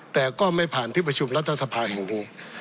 แต่ก็ไม่ผ่านที่ประชุมรัฐสภาแห่งนี้